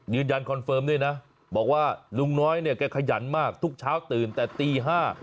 ยืนยันคอนเฟิร์มด้วยนะบอกว่าลูกน้อยขยันมากทุกเช้าตื่นแต่ตี๕